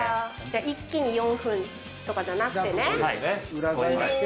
一気に４分とかじゃなくてね。